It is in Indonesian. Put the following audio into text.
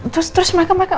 terus terus mereka mereka